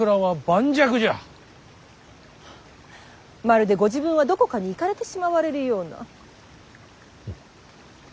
まるでご自分はどこかに行かれてしまわれるような。